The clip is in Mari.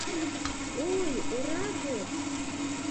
Ой, ораде!